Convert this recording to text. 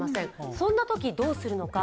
そんなときどうするのか。